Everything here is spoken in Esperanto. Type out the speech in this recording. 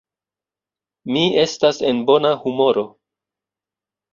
Mi estas en bona humoro.